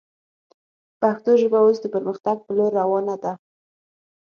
پښتو ژبه اوس د پرمختګ پر لور روانه ده